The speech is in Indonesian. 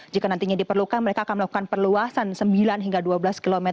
jika nantinya diperlukan mereka akan melakukan perluasan sembilan hingga dua belas km